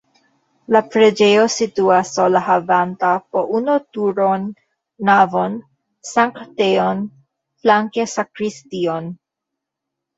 La preĝejo situas sola havanta po unu turon, navon, sanktejon, flanke sakristion.